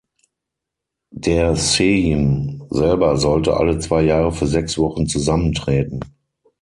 Der Sejm selber sollte alle zwei Jahre für sechs Wochen zusammentreten.